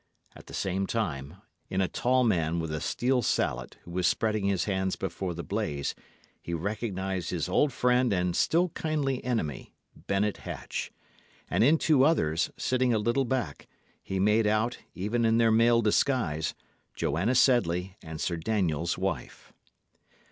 At the same time, in a tall man with a steel salet, who was spreading his hands before the blaze, he recognised his old friend and still kindly enemy, Bennet Hatch; and in two others, sitting a little back, he made out, even in their male disguise, Joanna Sedley and Sir Daniel's wife.